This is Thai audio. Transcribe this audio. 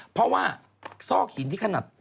เพราะว่าซอกหินที่ขนาด